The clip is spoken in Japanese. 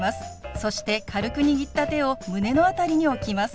そして軽く握った手を胸の辺りに置きます。